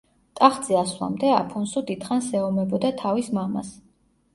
ტახტზე ასვლამდე, აფონსუ დიდხანს ეომებოდა თავის მამას.